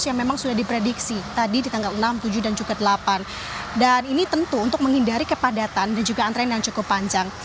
jadi ini memang sudah diprediksi tadi di tanggal enam tujuh dan juga delapan dan ini tentu untuk menghindari kepadatan dan juga antrean yang cukup panjang